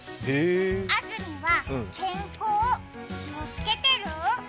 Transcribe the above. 安住は健康、気をつけてる？